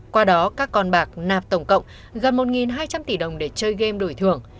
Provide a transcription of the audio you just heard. qua đó các con bạc nạp tổng cộng gần một hai trăm linh tỷ đồng để chơi game đổi thưởng